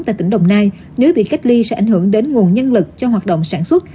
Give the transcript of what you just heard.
tại tỉnh đồng nai nếu bị cách ly sẽ ảnh hưởng đến nguồn nhân lực cho hoạt động sản xuất